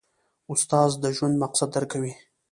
استاد د ژوند مقصد درکوي.